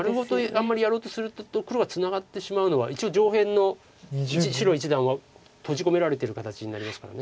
あんまりやろうとすると黒はツナがってしまうのは一応上辺の白一団は閉じ込められてる形になりますから。